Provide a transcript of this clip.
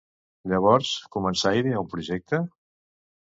Llavors, començà a idear un projecte?